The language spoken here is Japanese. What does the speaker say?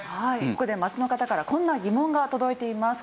ここで街の方からこんな疑問が届いています。